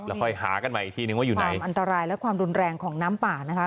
แล้วค่อยหากันใหม่อีกทีนึงว่าอยู่ไหนอันตรายและความรุนแรงของน้ำป่านะคะ